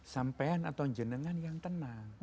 sampean atau jenengan yang tenang